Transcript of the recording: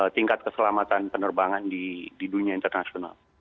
tingkat keselamatan penerbangan di dunia internasional